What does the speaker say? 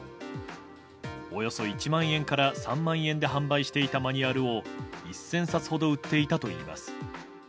およそ１万円から３万円で販売していたマニュアルを１０００冊ほど売っていたといいます。